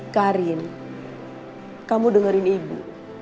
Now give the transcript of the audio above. karin kamu dengerin ibu